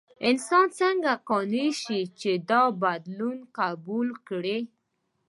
انسان څنګه قانع شو چې دا بدلون قبول کړي؟